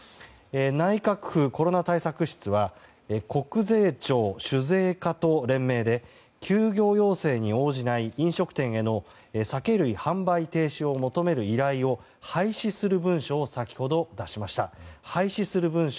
内閣府コロナ対策室は国税庁酒税課と連名で、休業要請に応じない飲食店への酒類販売停止を求める依頼を廃止する文書を先ほど出しました。